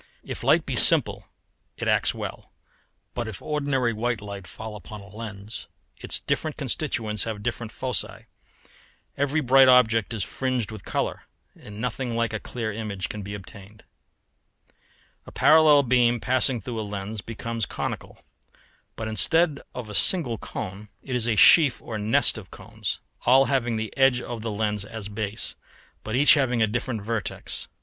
If light be simple it acts well, but if ordinary white light fall upon a lens, its different constituents have different foci; every bright object is fringed with colour, and nothing like a clear image can be obtained. [Illustration: FIG. 65. Showing the boundary rays of a parallel beam passing through a lens.] A parallel beam passing through a lens becomes conical; but instead of a single cone it is a sheaf or nest of cones, all having the edge of the lens as base, but each having a different vertex.